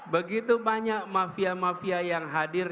begitu banyak mafia mafia yang hadir